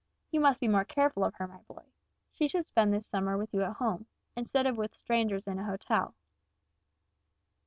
You must be more careful of her, my boy. She should spend this summer with you at home, instead of with strangers in a hotel."